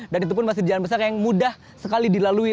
dan itu pun masih jalan besar yang mudah sekali dilalui